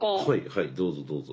はいどうぞどうぞ。